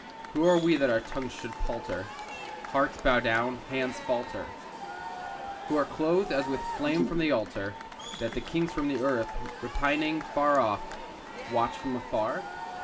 Who are we that our tongues should palter, Hearts bow down, hands falter, Who are clothed as with flame from the altar, That the kings of the earth, repining, Far off, watch from afar?